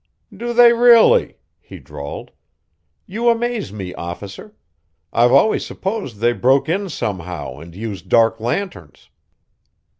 "Do they really?" he drawled. "You amaze me, Officer. I've always supposed they broke in somehow and used dark lanterns."